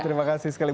terima kasih sekali